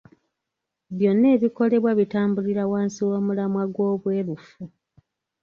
Byonna ebikolebwa bitambulira wansi w’omulamwa gw’obweruufu.